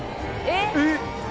えっ？